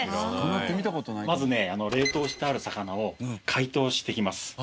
まずね冷凍してある魚を解凍していきます。